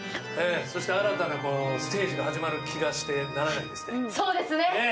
そして新たなステージが始まる気がしてならないですね。